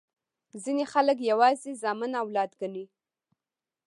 ځیني خلګ یوازي زامن اولاد ګڼي.